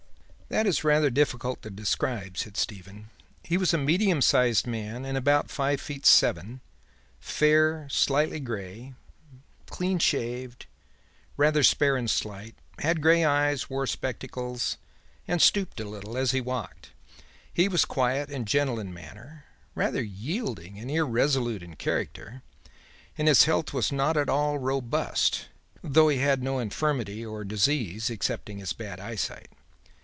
"That is rather difficult to describe," said Stephen. "He was a medium sized man and about five feet seven fair, slightly grey, clean shaved, rather spare and slight, had grey eyes, wore spectacles and stooped a little as he walked. He was quiet and gentle in manner, rather yielding and irresolute in character, and his health was not at all robust though he had no infirmity or disease excepting his bad eyesight.